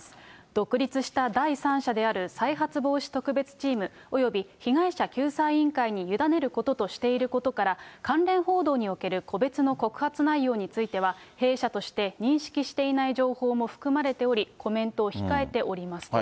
独立した第三者である再発防止特別チームおよび被害者救済委員会に委ねることとしていることから、関連報道における個別の告発内容については、弊社として認識していない情報も含まれており、コメントを控えておりますと。